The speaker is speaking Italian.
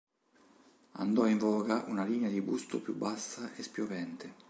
Andò in voga una linea di busto più bassa e spiovente.